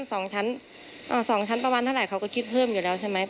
สองชั้นอ่าสองชั้นประมาณเท่าไหร่เขาก็คิดเพิ่มอยู่แล้วใช่ไหม